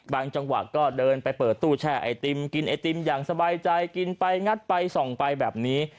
จังหวะก็เดินไปเปิดตู้แช่ไอติมกินไอติมอย่างสบายใจกินไปงัดไปส่องไปแบบนี้